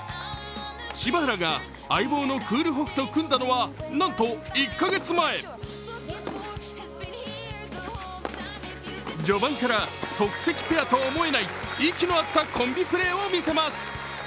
柴原が相棒のクールホフと組んだのはなんと１か月前序盤から即席ペアとは思えない息の合ったコンビプレーを見せます。